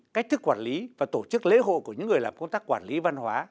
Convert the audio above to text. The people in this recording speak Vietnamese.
cách thức quản lý và tổ chức lễ hội của những người làm công tác quản lý văn hóa